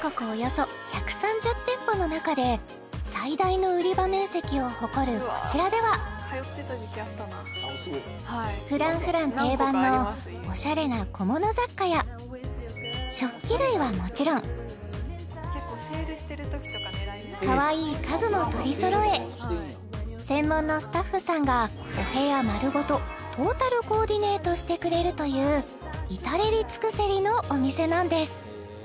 およそ１３０店舗の中で最大の売り場面積を誇るこちらではＦｒａｎｃｆｒａｎｃ定番のオシャレな小物雑貨や食器類はもちろんかわいい家具も取りそろえ専門のスタッフさんがお部屋丸ごとトータルコーディネートしてくれるという至れり尽くせりのお店なんです